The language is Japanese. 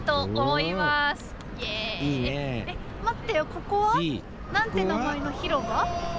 ここは何て名前の広場？